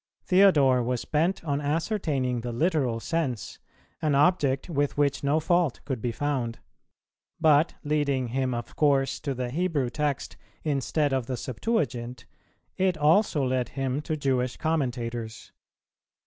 Theodore was bent on ascertaining the literal sense, an object with which no fault could be found: but, leading him of course to the Hebrew text instead of the Septuagint, it also led him to Jewish commentators.